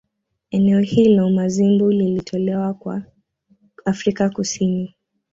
Eneo hilo Mazimbu lilitolewa kwa Afrika Kusini